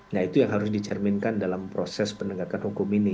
nah itu yang harus dicerminkan dalam proses penegakan hukum ini